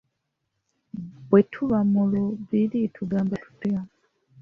Bwe tuba mu lubiri tugamba tutya?